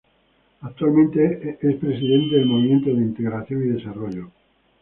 Actualmente es presidente del Movimiento de Integración y Desarrollo.